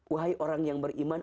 wahai orang yang beriman